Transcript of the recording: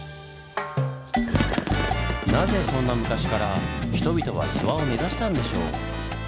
なぜそんな昔から人々は諏訪を目指したんでしょう？